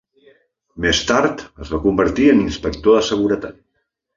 Més tard es va convertir en inspector de seguretat.